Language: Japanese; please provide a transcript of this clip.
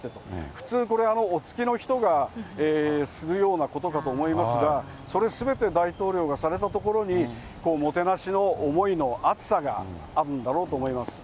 普通これ、お付きの人がするようなことかと思いますが、それすべて、大統領がされたところに、もてなしの思いの厚さがあるんだろうと思います。